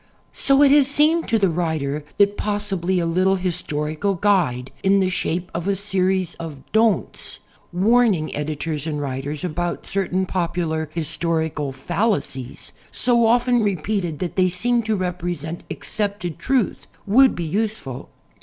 So it has seemed to the writer that possibly a little his torical guide in the shape of a series of "Don'ts," warning editors and writers about certain popular historical falla cies, so often repeated that they seem to represent accepted truth, would be useful.